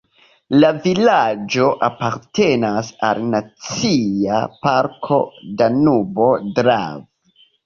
La vilaĝo apartenas al Nacia parko Danubo-Dravo.